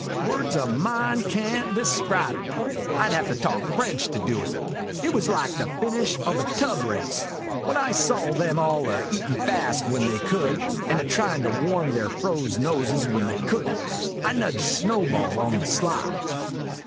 Words o' mine can't describe it. I 'd have to talk French to do it. It was like the finish of a tub race. When I saw them all a eatin' fast when they could, and a tryin' to warm their froze noses when they could n't, I nudged Snowball on the sly.